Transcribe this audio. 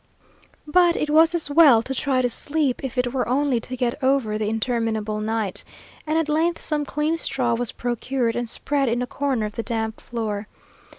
But it was as well to try to sleep if it were only to get over the interminable night; and at length some clean straw was procured, and spread in a corner of the damp floor.